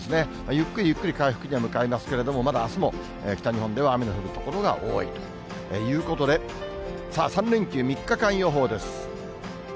ゆっくりゆっくり回復には向かいますけれども、まだあすも北日本では雨の降る所が多いということで、３連休３日間予報です。